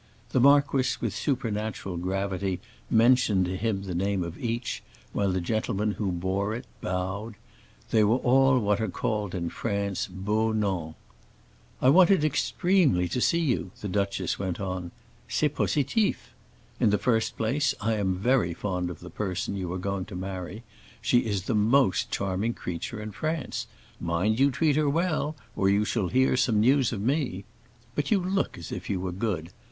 The marquis with supernatural gravity mentioned to him the name of each, while the gentleman who bore it bowed; they were all what are called in France beaux noms. "I wanted extremely to see you," the duchess went on. "C'est positif. In the first place, I am very fond of the person you are going to marry; she is the most charming creature in France. Mind you treat her well, or you shall hear some news of me. But you look as if you were good.